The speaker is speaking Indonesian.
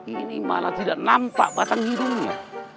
ini malah tidak nampak batang hidungnya